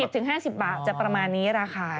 ถึง๕๐บาทจะประมาณนี้ราคา